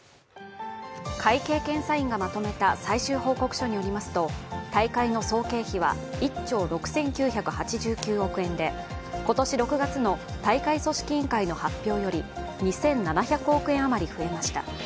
会計検査院がまとめた最終報告書によりますと大会の総経費は１兆６９８９億円で今年６月の大会組織委員会の発表より２７００億円余り増えました。